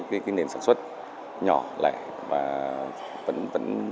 và vẫn có những nền sản xuất nhỏ lẻ và vẫn có những nền sản xuất nhỏ lẻ